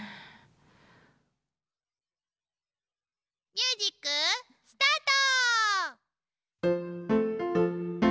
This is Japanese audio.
ミュージックスタート！